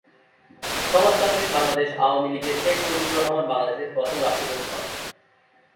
সমাজতান্ত্রিক বাংলাদেশ আওয়ামী লীগের শেখ মুজিবুর রহমান বাংলাদেশের প্রথম রাষ্ট্রপতি হন।